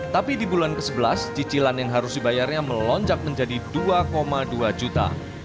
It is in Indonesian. tapi di bulan ke sebelas cicilan yang harus dibayarnya melonjak menjadi dua dua juta